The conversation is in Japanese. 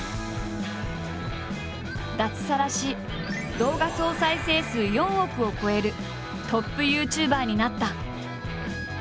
脱サラし動画総再生数４億を超えるトップＹｏｕＴｕｂｅｒになった。